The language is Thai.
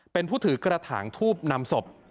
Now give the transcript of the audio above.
เป็นผู้ถือกระถางทูบนำศพ